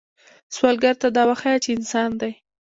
سوالګر ته دا وښایه چې انسان دی